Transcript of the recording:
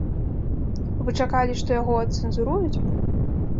Вы чакалі, што яго адцэнзуруюць?